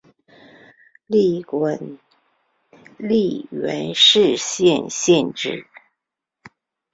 历官直隶元氏县知县。